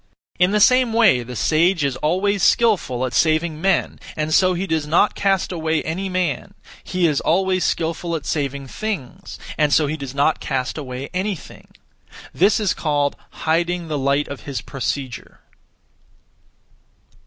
In the same way the sage is always skilful at saving men, and so he does not cast away any man; he is always skilful at saving things, and so he does not cast away anything. This is called 'Hiding the light of his procedure.'